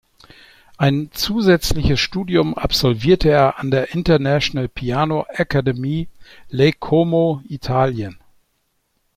Ein zusätzliches Studium absolvierte er an der International Piano Academy Lake Como, Italien.